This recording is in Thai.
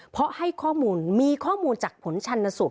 เพราะมีข้อมูลจากผลฉันนสุข